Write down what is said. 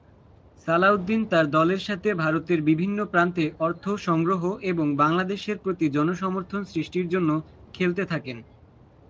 সালাউদ্দিন তার দলের সাথে ভারতের বিভিন্ন প্রান্তে অর্থ সংগ্রহ এবং বাংলাদেশের প্রতি জনসমর্থন সৃষ্টির জন্য খেলতে থাকেন।